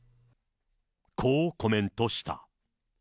こうコメントした。